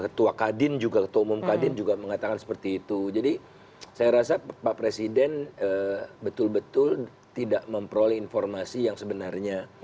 ketua kadin juga ketua umum kadin juga mengatakan seperti itu jadi saya rasa pak presiden betul betul tidak memperoleh informasi yang sebenarnya